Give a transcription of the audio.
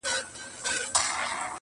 د عُمر زکندن ته شپې یوه، یوه لېږمه؛